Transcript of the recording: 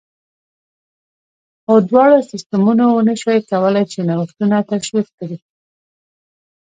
خو دواړو سیستمونو ونه شوای کولای چې نوښتونه تشویق کړي